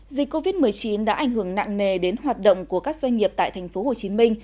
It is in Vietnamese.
dịch covid một mươi chín đã ảnh hưởng nặng nề đến hoạt động của các doanh nghiệp tại tp hcm